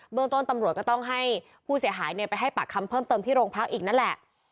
เมืองต้นตำรวจก็ต้องให้ผู้เสียหายไปให้ปากคำเพิ่มเติมที่โรงพักอีกนั่นแหละ